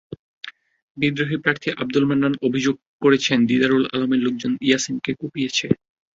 বিদ্রোহী প্রার্থী আবদুল মান্নান অভিযোগ করেছেন, দিদারুল আলমের লোকজন ইয়াছিনকে কুপিয়েছে।